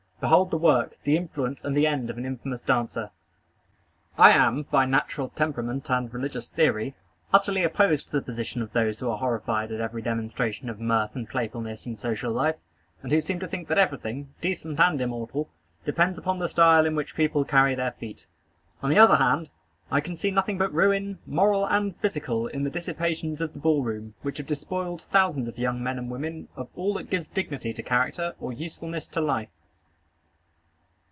Behold the work, the influence, and the end of an infamous dancer! I am, by natural temperament and religious theory, utterly opposed to the position of those who are horrified at every demonstration of mirth and playfulness in social life, and who seem to think that everything, decent and immortal, depends upon the style in which people carry their feet. On the other hand, I can see nothing but ruin, moral and physical, in the dissipations of the ball room, which have despoiled thousands of young men and women of all that gives dignity to character, or usefulness to life.